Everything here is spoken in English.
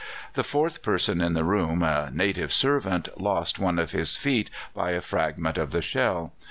The fourth person in the room, a native servant, lost one of his feet by a fragment of the shell.